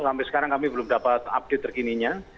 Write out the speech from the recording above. sampai sekarang kami belum dapat update terkininya